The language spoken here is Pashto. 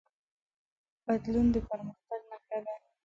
بدلون د پرمختګ نښه ده.